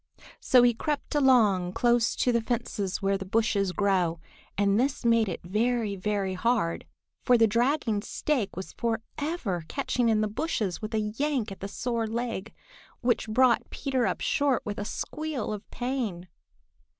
So he crept along close to the fences where bushes grow, and this made it very, very hard, for the dragging stake was forever catching in the bushes with a yank at the sore leg which brought Peter up short with a squeal of pain.